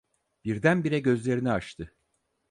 Birdenbire gözlerini açtı.